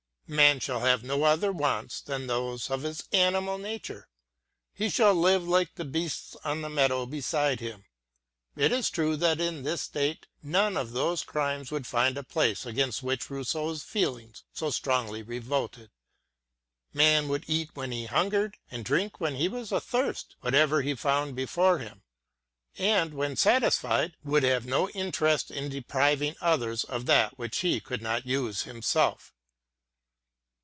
Man shall have no other wants than those of his animal nature; he shall live like the beast on the meadow beside him. It is true that in this state none of those crimes would find a place against which Rousseau's feelings so strongly revolted; man would eat when he hungered, and drink when lie was athirst, whatever he found before him; and, when satisfied, would have no interest in depriving others of that which lie could not use himself.